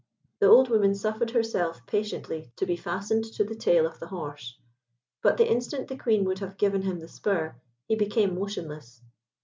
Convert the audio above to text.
The old woman suffered herself patiently to be fastened to the tail of the horse; but the instant the Queen would have given him the spur, he became motionless.